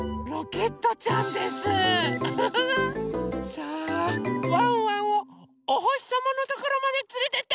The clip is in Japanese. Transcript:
さあワンワンをおほしさまのところまでつれてって！